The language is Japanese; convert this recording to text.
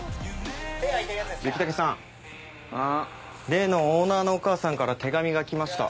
例のオーナーのお母さんから手紙が来ました。